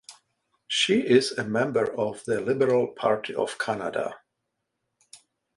She is a member of the Liberal Party of Canada.